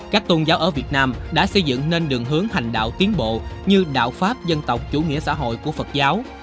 các tôn giáo ở việt nam đã xây dựng nên đường hướng hành đạo tiến bộ như đạo pháp dân tộc chủ nghĩa xã hội của phật giáo